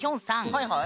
はいはい。